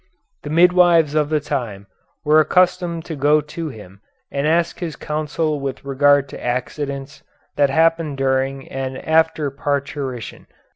The midwives of the time were accustomed to go to him and ask his counsel with regard to accidents that happen during and after parturition.